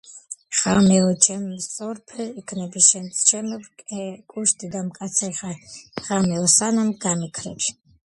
ღამეო ჩემ სწორფერ იქნები, შენც ჩემებრ კუშტი და მკაცრი ხარ, ღამეო სანამ გამიქრები.....